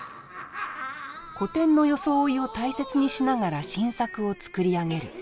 古典の装いを大切にしながら新作を作り上げる。